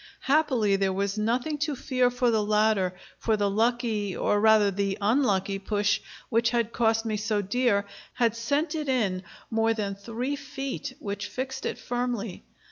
Happily there was nothing to fear for the ladder, for the lucky or rather the unlucky push which had cost me so dear, had sent it in more than three feet, which fixed it firmly.